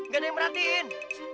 gak ada yang merhatiin